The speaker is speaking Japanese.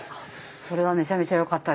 それはめちゃめちゃよかったです。